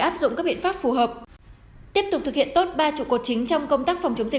áp dụng các biện pháp phù hợp tiếp tục thực hiện tốt ba trụ cột chính trong công tác phòng chống dịch